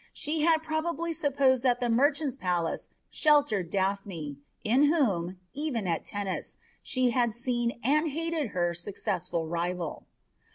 She had probably supposed that the merchant's palace sheltered Daphne, in whom, even at Tennis, she had seen and hated her successful rival.